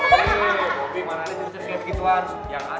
bapak mana ada jurusan kayak gituan